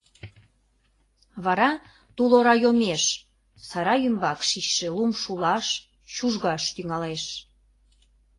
Вара тул ора йомеш, сарай ӱмбак шичше лум шулаш, чужгаш тӱҥалеш.